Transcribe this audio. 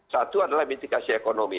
satu adalah mitigasi ekonomi